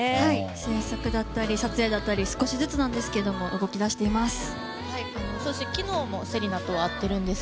制作だったり撮影だったり少しずつなんですが動き出しています。